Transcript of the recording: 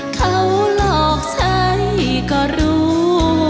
เขาหลอกใช้ก็รู้